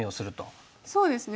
そうですね